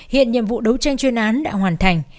hiện nhiệm vụ đấu tranh chuyên án đã hoàn thành